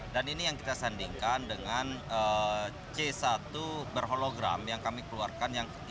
dan ini yang kita sandingkan dengan c satu berhologram yang kami keluarkan